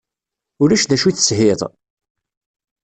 Ulac d acu i teshiḍ?